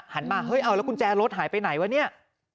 หันมาเฮ้ยเอาแล้วกุญแจรถหายไปไหนวะเนี่ย